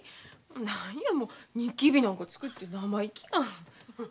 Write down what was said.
何やもうニキビなんか作って生意気や。